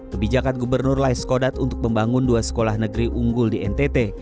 kebijakan gubernur laiskodat untuk membangun dua sekolah negeri unggul di ntt